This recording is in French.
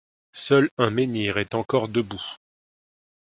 Seul un menhir est encore debout.